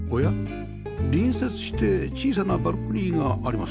隣接して小さなバルコニーがありますね